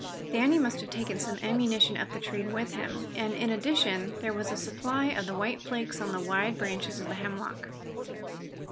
Danny must have taken some snow ammunition up the tree with him, and, in addition, there was a supply of the white flakes on the wide branches of the hemlock.